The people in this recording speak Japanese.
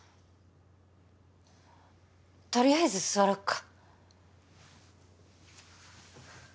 とりあえず座ろうか